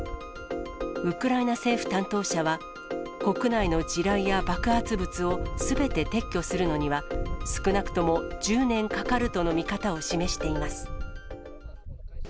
ウクライナ政府担当者は、国内の地雷や爆発物をすべて撤去するのには、少なくとも１０年かかるとの見方を示しています。